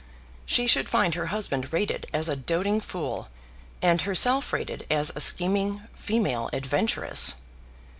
She should find her husband rated as a doting fool, and herself rated as a scheming female adventuress.